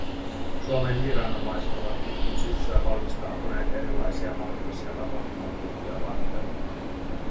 Suomen viranomaiset ovat pitkin syksyä valmistautuneet erilaisia mahdollisia tapahtumakulkuja varten.